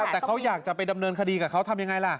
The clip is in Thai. แต่เขาอยากจะไปดำเนินคดีกับเขาทำยังไงล่ะ